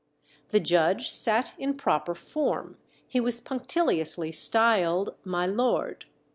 The judge sat in proper form; he was punctiliously styled "my lord."